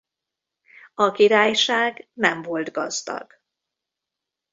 A királyság nem volt gazdag.